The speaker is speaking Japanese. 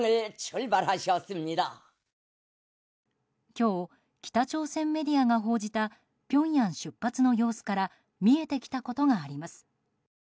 今日、北朝鮮メディアが報じたピョンヤン出発の様子から見えてきたことがあります。